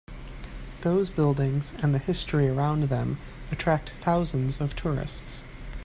Those buildings and the history around them attract thousands of tourists.